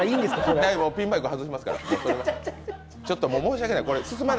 大丈夫、ピンマイク外しますから。